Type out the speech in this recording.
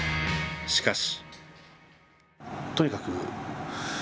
しかし。